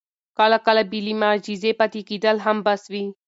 کله کله بې له معجزې پاتې کېدل هم بس وي.